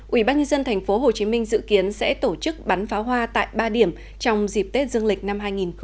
ubnd tp hcm dự kiến sẽ tổ chức bắn pháo hoa tại ba điểm trong dịp tết dương lịch năm hai nghìn hai mươi